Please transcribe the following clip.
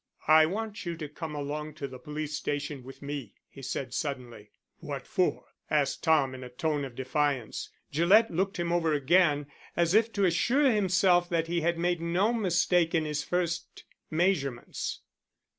"I want you to come along to the police station with me," he said suddenly. "What for?" asked Tom in a tone of defiance. Gillett looked him over again as if to assure himself that he had made no mistake in his first measurements.